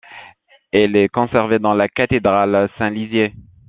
Il est conservé dans la cathédrale Saint-Lizier.